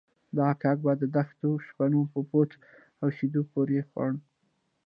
دغه کاک به د دښتو شپنو په پوڅه او شيدو پورې خوړ.